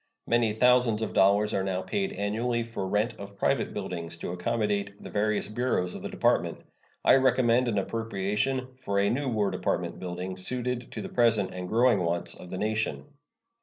Many thousands of dollars are now paid annually for rent of private buildings to accommodate the various bureaus of the Department. I recommend an appropriation for a new War Department building, suited to the present and growing wants of the nation.